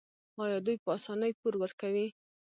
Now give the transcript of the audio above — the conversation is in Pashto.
آیا دوی په اسانۍ پور ورکوي؟